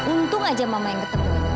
untung aja mama yang ketemu